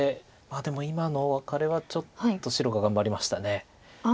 でも今のワカレはちょっと白が頑張りました。